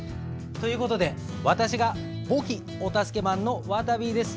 という事で私が簿記お助けマンのわたびです。